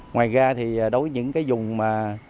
ngoài ra thì đối với những cái vùng mà